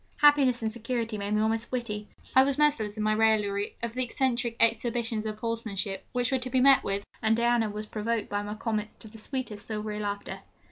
Happiness and security made me almost witty. I was merciless in my raillery of the eccentric exhibitions of horsemanship which were to be met with, and Diana was provoked by my comments to the sweetest silvery laughter.